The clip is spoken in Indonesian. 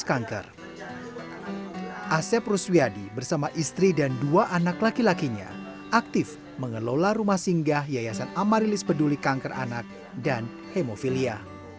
asep ruswiadi bersama istri dan dua anak laki lakinya aktif mengelola rumah singgah yayasan amarilis peduli kanker anak dan hemofilia